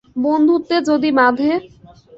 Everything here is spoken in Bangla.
বন্ধুত্বে যদি বাধে?